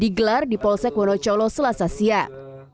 digelar di polsek wonocolo selasa siang